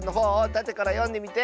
たてからよんでみて！